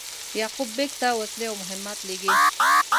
یعقوب بېګ ته وسلې او مهمات لېږي.